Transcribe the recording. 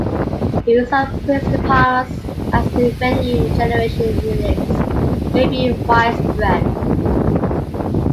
The use of police departments as revenue generation units may be widespread.